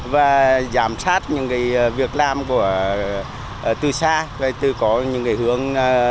và giám sát những việc làm từ xa từ có những hướng